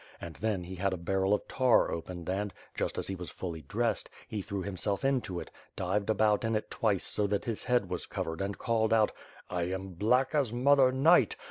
And then he had a barrel of tar opened and, just as he was fully dressed^ he threw himself into it, dived about in it twice so that his head was covered and called out: "I am black as Mother Night.